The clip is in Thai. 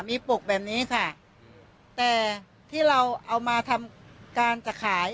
มีปกแบบนี้ค่ะแต่ที่เราเอามาทำการจะขาย